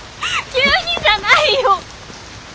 急にじゃないよ！